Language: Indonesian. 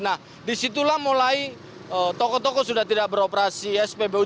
nah disitulah mulai toko toko sudah tidak beroperasi spbu